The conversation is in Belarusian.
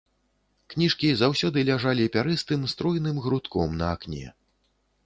Кніжкі заўсёды ляжалі пярэстым, стройным грудком на акне.